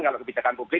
kalau kebijakan publik